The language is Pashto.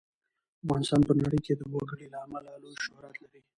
افغانستان په نړۍ کې د وګړي له امله لوی شهرت لري.